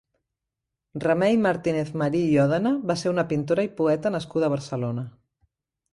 Remei Martínez-Marí i Òdena va ser una pintora i poeta nascuda a Barcelona.